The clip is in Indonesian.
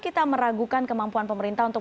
kita meragukan kemampuan pemerintah untuk